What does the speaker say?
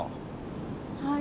はい。